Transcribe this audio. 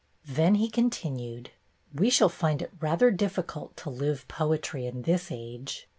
Then he continued: "We shall find it rather difficult to live poetry in this age.